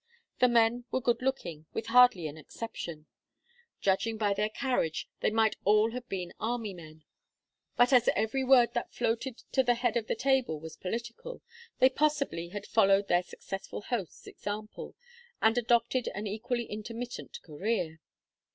The men were good looking, with hardly an exception; judging by their carriage they might all have been army men, but as every word that floated to the head of the table was political, they possibly had followed their successful host's example and adopted an equally intermittent career.